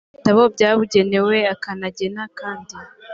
mu bitabo byabugenewe akanagena kandi